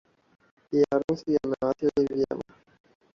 Bi arusi amewasili vyema.